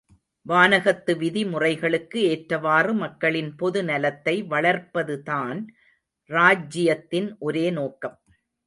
வானகத்து விதி முறைகளுக்கு ஏற்றவாறு மக்களின் பொது நலத்தை வளர்ப்பதுதான் ராஜ்ஜியத்தின் ஒரே நோக்கம்.